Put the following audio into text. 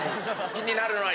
気になるのは。